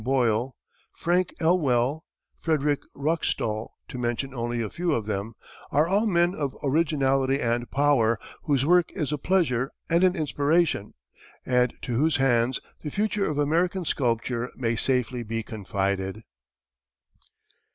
Boyle, Frank Elwell, Frederick Ruckstuhl, to mention only a few of them, are all men of originality and power, whose work is a pleasure and an inspiration, and to whose hands the future of American sculpture may safely be confided.